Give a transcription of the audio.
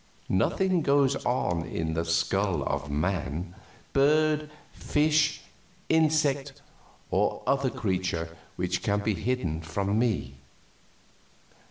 Nothing goes on in the skull of man, bird, fish, insect, or other creature which can be hidden from me.